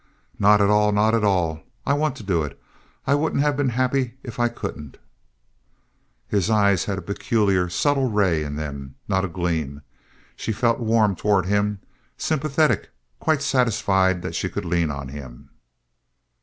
"Not at all. Not at all. I want to do it. I wouldn't have been happy if I couldn't." His eyes had a peculiar, subtle ray in them—not a gleam. She felt warm toward him, sympathetic, quite satisfied that she could lean on him.